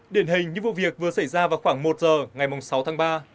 điển hình như vụ việc vừa xảy ra vào khoảng một giờ ngày sáu tháng ba